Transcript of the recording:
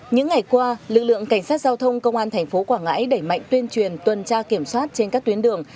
những ngày qua lực lượng cảnh sát giao thông công an thành phố quảng ngãi đẩy mạnh tuyên truyền tuần tra kiểm soát trên các tuyến đường